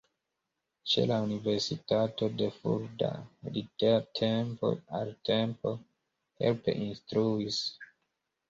Ĉe la universitato de Fulda li de tempo al tempo helpe instruis.